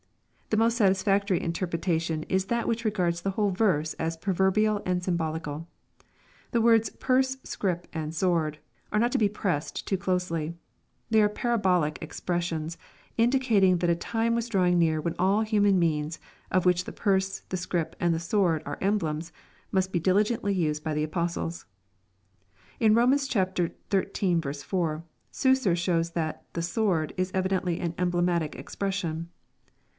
The most satisfactory interpretation is that which regards the whole verse as proverbial and symbolical. The words " purse, scrip, and sword," are not to be pressed too closely. They are parabolic expressions, indicating that a time was drawing near when all human means, of which the " purse," the " scrip," and the "sword" are emblems, must be diligently used by the apostlesi. In Romans xiii. 4, Suicer shows that '* the sword" is evidently an emblematic expression.